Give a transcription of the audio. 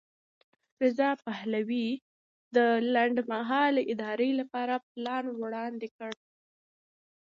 رضا پهلوي د لنډمهالې ادارې لپاره پلان وړاندې کړ.